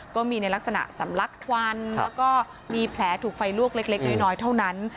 ก็มีในลักษณะสำลักควันแล้วก็มีแผลถูกไฟลวกเล็กน้อยเท่านั้น